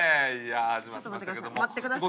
ちょっと待って下さい！